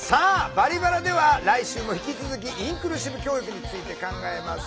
「バリバラ」では来週も引き続きインクルーシブ教育について考えます。